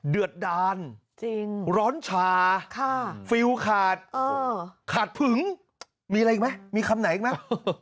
เดือดดานร้อนชาฟิลขาดขาดผึงมีอะไรอีกไหมมีคำไหนอีกไหม